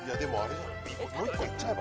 もう一個いっちゃえば？